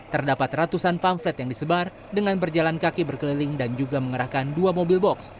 terdapat ratusan pamflet yang disebar dengan berjalan kaki berkeliling dan juga mengerahkan dua mobil box